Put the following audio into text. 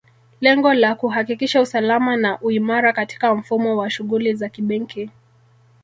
Lengo la kuhakikisha usalama na uimara katika mfumo wa shughuli za kibenki